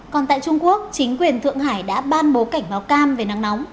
còn tại trung quốc chính quyền thượng hải đã ban bố cảnh báo cam về nắng nóng